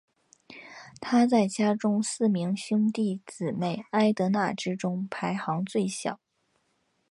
她在家中四名兄弟姊妹艾德娜之中排行最小。